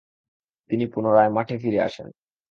তিনি পুনরায় মাঠে ফিরে আসেন।